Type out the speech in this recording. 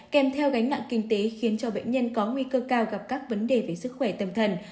kèm theo gánh nặng kinh tế khiến cho bệnh nhân có nguy cơ cao gặp các vấn đề về sức khỏe tâm thần